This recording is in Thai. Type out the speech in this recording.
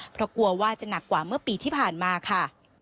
เพราะกลัวว่าจะหนักกว่าเมื่อปีที่ผ่านมาค่ะ